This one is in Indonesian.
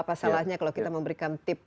pasalnya kalau kita memberikan tip